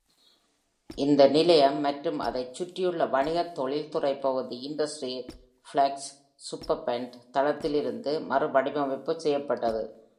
இந்த நிலையம் மற்றும் அதைச் சுற்றியுள்ள வணிக-தொழில்துறை பகுதி இன்டஸ்ட்ரி-ப்ளெக்ஸ் சூப்பர்ஃபண்ட் தளத்திலிருந்து மறுவடிவமைப்பு செய்யப்பட்டது.